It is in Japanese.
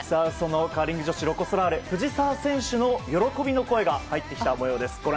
そのカーリング女子ロコ・ソラーレ藤澤選手の喜びの声が入ってきた模様です。